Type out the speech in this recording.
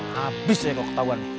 habis ya kok ketauan nih